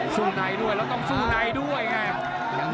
สู้ในด้วยแล้วต้องสู้ในด้วยไง